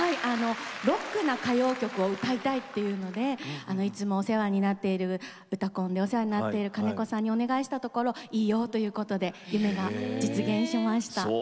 ロックな歌謡曲を歌いたいというのでいつも「うたコン」でお世話になっている金子さんにお願いしたところいいよ、ということで夢が実現しました。